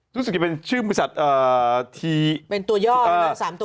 รู้สึกเป็นชื่อบริษัทเป็นตัวย่อหรือเปล่า๓ตัว